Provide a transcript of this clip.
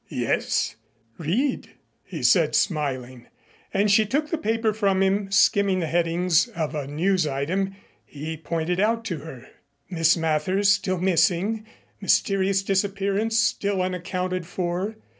"Yes, read," he said smiling, and she took the paper from him, skimming the headings of a news item he pointed out to her: MISS MATHER STILL MISSING. MYSTERIOUS DISAPPEARANCE STILL UNACCOUNTED FOR.